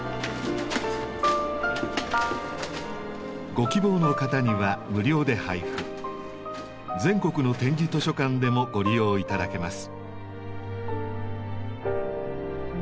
ご希望の方には無料で配布全国の点字図書館でもご利用頂けます。